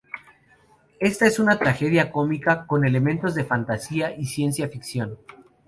Esta es una tragedia cómica, con elementos de fantasía y ciencia ficción.